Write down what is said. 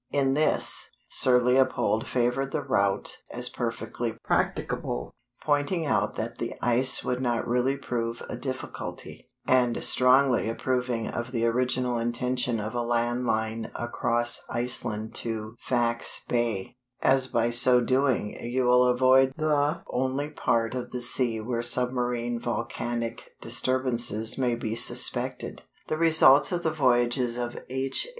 In this, Sir Leopold favored the route as perfectly practicable, pointing out that the ice would not really prove a difficulty, and strongly approving of the original intention of a land line across Iceland to Faxe Bay, "as by so doing you will avoid the only part of the sea where submarine volcanic disturbances may be suspected." The results of the voyages of H.